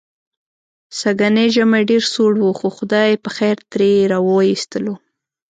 سږنی ژمی ډېر سوړ و، خو خدای پخېر ترې را و ایستلو.